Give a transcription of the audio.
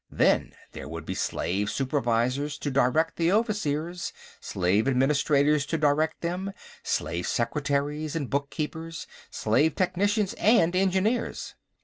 Then there would be slave supervisors to direct the overseers, slave administrators to direct them, slave secretaries and bookkeepers, slave technicians and engineers."